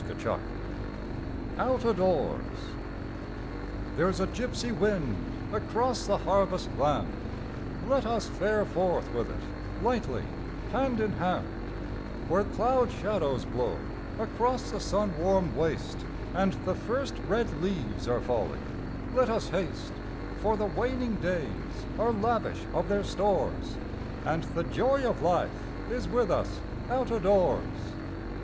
7J OUT O' DOORS There's a gypsy wind across the harvest land, Let us fare forth with it lightly hand in hand ; Where cloud shadows blow across the sunwarm waste, And the first red leaves are falling let us haste, For the waning days are lavish of their stores, And the joy of life is with us out o' doors!